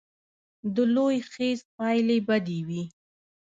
د لوی خیز پایلې بدې وې.